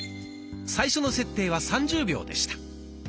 最初の設定は３０秒でした。